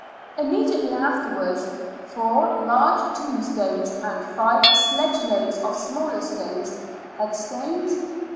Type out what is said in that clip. Immediately afterwards four large tombstones and five sledge loads of smaller stones (head stones